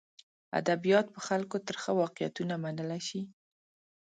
ادبیات په خلکو ترخه واقعیتونه منلی شي.